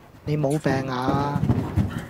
你無病呀?